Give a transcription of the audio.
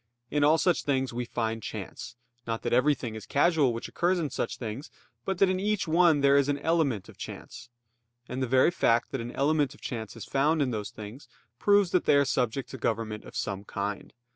In all such things we find chance: not that everything is casual which occurs in such things; but that in each one there is an element of chance. And the very fact that an element of chance is found in those things proves that they are subject to government of some kind.